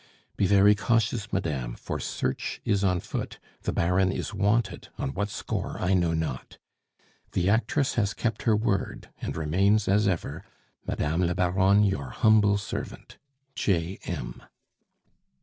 Be very cautious, madame, for search is on foot; the Baron is wanted, on what score I know not. "The actress has kept her word, and remains, as ever, "Madame la Baronne, your humble servant, "J. M."